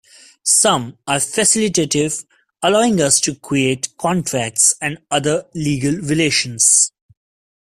Some are facilitative, allowing us to create contracts and other legal relations.